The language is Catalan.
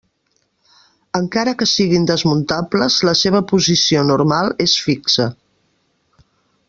Encara que siguin desmuntables la seva posició normal és fixa.